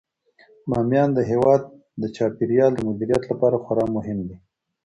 بامیان د هیواد د چاپیریال د مدیریت لپاره خورا مهم دی.